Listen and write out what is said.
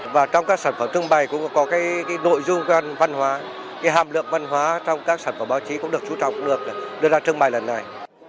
và trong các sản phẩm trưng bày cũng có cái nội dung văn hóa cái hàm lượng văn hóa trong các sản phẩm báo chí cũng được chú trọng được là đưa ra trưng bày lần này